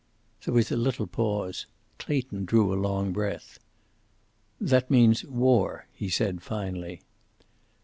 There was a little pause. Clayton drew a long breath. "That means war," he said finally.